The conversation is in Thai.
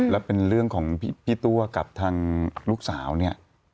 แล้วเป็นเรื่องของพี่ตัวกับทางลูกสาวเนี่ย